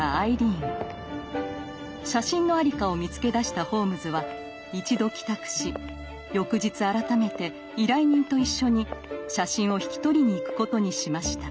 写真の在りかを見つけ出したホームズは一度帰宅し翌日改めて依頼人と一緒に写真を引き取りに行くことにしました。